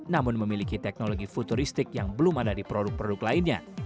namun memiliki teknologi futuristik yang belum ada di produk produk lainnya